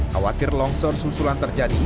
khawatir longsor susulan terjadi